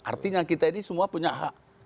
artinya kita ini semua punya hak